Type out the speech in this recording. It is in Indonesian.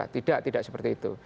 tidak tidak seperti itu